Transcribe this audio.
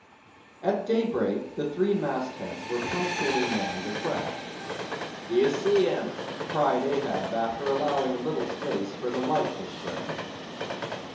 At day break, the three mast heads were punctually manned afresh. "D'ye see him?" cried Ahab after allowing a little space for the light to spread.